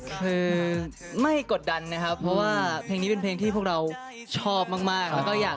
คือไม่กดดันนะครับเพราะว่าเพลงนี้เป็นเพลงที่พวกเราชอบมากแล้วก็อยาก